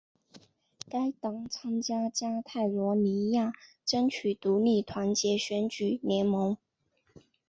该党参加加泰罗尼亚争取独立团结选举联盟。